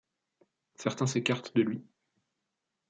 Certains s'écartent de lui.